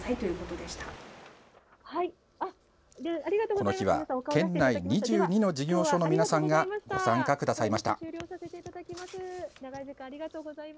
この日は県内２２の事業所の皆さんがご参加くださいました。